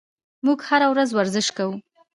موږ هره ورځ ورزش کوو.